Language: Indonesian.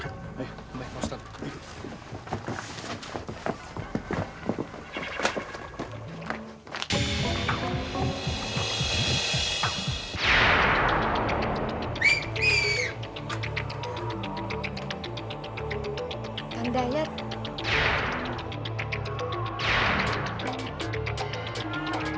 kalian tidak usah nigerin